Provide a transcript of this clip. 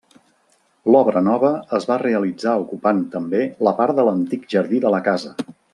L'obra nova es va realitzar ocupant també la part de l'antic jardí de la casa.